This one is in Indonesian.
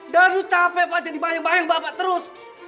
danu capek pak jadi bayang bayang bapak terus